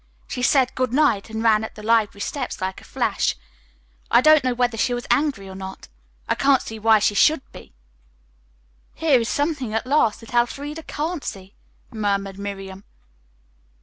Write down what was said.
"She said 'good night' and ran up the library steps like a flash. I don't know whether she was angry or not. I can't see why she should be." "Here is something at last that Elfreda can't see," murmured Miriam.